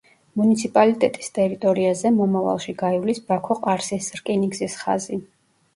მუნიციპალიტეტის ტერიტორიაზე მომავალში გაივლის ბაქო–ყარსის რკინიგზის ხაზი.